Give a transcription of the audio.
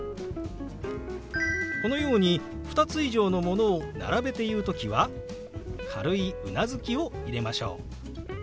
このように２つ以上のものを並べて言う時は軽いうなずきを入れましょう。